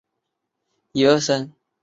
尚普鲁吉耶人口变化图示